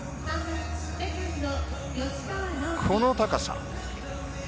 この高さ。